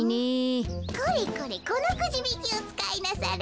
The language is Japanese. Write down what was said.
これこれこのくじびきをつかいなされ。